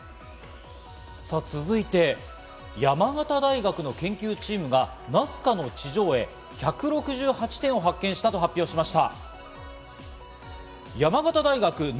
さぁ、続いて山形大学の研究チームが、ナスカの地上絵、１６８点を発見したと発表しました。